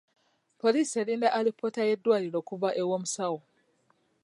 Poliisi erinda alipoota y'eddwaliro okuva ew'omusawo.